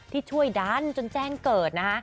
ที่ช่วยดันจนแจ้งเกิดนะฮะ